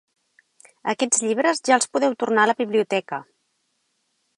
Aquests llibres, ja els podeu tornar a la biblioteca.